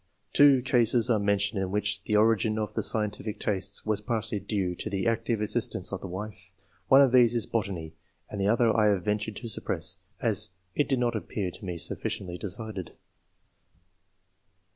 Two cases are mentioned in which the origin of the scientific tastes was partly due to the active assistance of the wife. One of these is Botany (5), and the other I have ventured to suppress, as it did not appear to me sufl&ciently decided.